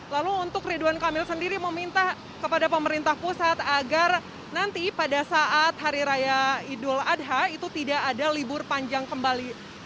lalu untuk ridwan kamil sendiri meminta kepada pemerintah pusat agar nanti pada saat hari raya idul adha itu tidak ada libur panjang kembali